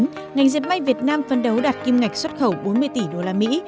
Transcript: năm hai nghìn một mươi chín ngành diệt may việt nam phân đấu đạt kim ngạch xuất khẩu bốn mươi tỷ đô la mỹ